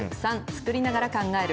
３、作りながら考える。